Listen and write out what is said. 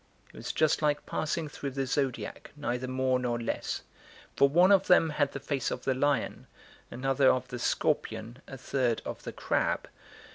It was just like passing through the Zodiac, neither more nor less; for one of them had the face of the lion, another of the scorpion, a third of the crab.